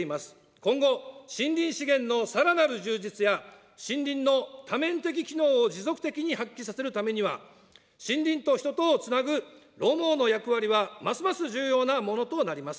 今後、森林資源のさらなる充実や、森林の多面的機能を持続的に発揮させるためには、森林と人とをつなぐ路網の役割はますます重要なものとなります。